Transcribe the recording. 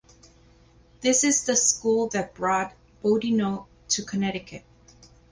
This is the school that brought Boudinot to Connecticut.